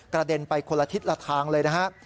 กระเด็นไปคนละทิศละทางเลยนะฮะ